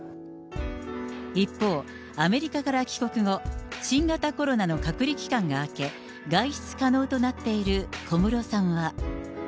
一方、アメリカから帰国後、新型コロナの隔離期間が明け、外出可能となっている小室さんは。